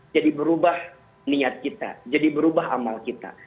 jadi berubah niat kita jadi berubah amal kita